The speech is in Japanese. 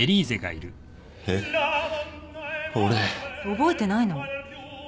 覚えてないの？